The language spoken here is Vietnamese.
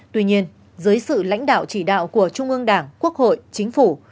tuy nhiên dưới sự lãnh đạo chỉ đạo của trung ương đảng quốc hội chính phủ